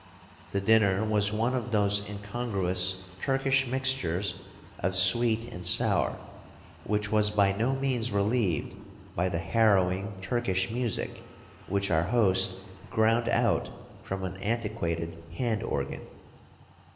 The dinner was one of those incongruous Turkish mixtures of sweet and sour, which was by no means relieved by the harrowing Turkish music which our host ground out from an antiquated hand organ.